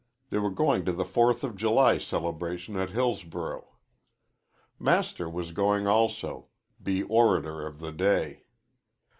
They were going to the Fourth of July celebration at Hillsborough. Master was going also, be orator of the day.